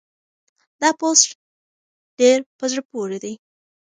دا پوسټ ډېر په زړه پورې دی.